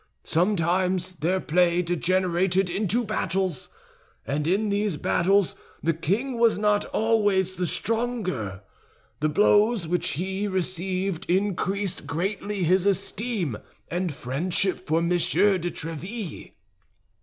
Sometimes their play degenerated into battles, and in these battles the king was not always the stronger. The blows which he received increased greatly his esteem and friendship for Monsieur de Tréville.